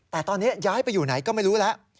แต่ตอนนี้ย้ายไปอยู่ไหนก็ไม่รู้แล้ว